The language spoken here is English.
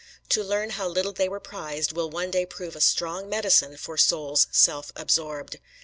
To learn how little they were prized, will one day prove a strong medicine for souls self absorbed.